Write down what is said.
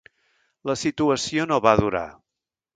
La situació no va durar.